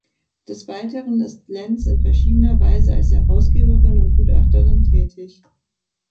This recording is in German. Des Weiteren ist Lentz in verschiedener Weise als Herausgeberin und Gutachterin tätig.